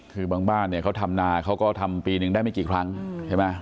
คือบางบ้านเนี่ยเขาทำนาเขาก็ทำปีหนึ่งได้ไม่กี่ครั้งใช่ไหม